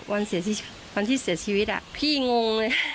วันที่เสียชีวิตพี่งงเลย